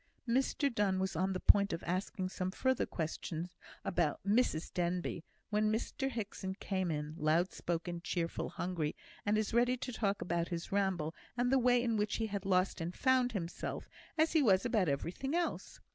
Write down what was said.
Mr Donne was on the point of asking some further questions about "Mrs Denbigh," when Mr Hickson came in, loud spoken, cheerful, hungry, and as ready to talk about his ramble, and the way in which he had lost and found himself, as he was about everything else.